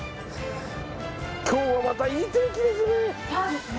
今日はまたいい天気ですね。